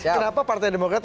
kenapa partai demokrat